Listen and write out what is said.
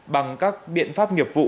bằng các biện pháp nghiệp vụ